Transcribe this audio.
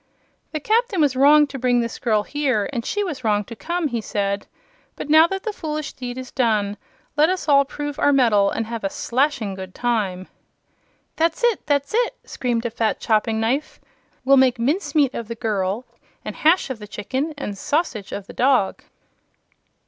"The Captain was wrong to bring this girl here, and she was wrong to come," he said. "But now that the foolish deed is done let us all prove our mettle and have a slashing good time." "That's it! that's it!" screamed a fat choppingknife. "We'll make mincemeat of the girl and hash of the chicken and sausage of the dog!"